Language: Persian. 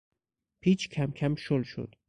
پیچ کمکم شل شد.